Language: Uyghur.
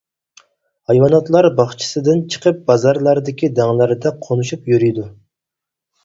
ھايۋاناتلار باغچىسىدىن چىقىپ بازارلاردىكى دەڭلەردە قونۇشۇپ يۈرىدۇ.